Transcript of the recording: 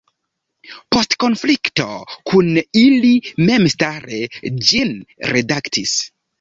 Post konflikto kun ili memstare ĝin redaktis.